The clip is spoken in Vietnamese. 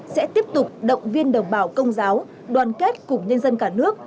sẽ tiếp tục động viên đồng bào công giáo đoàn kết cùng nhân dân cả nước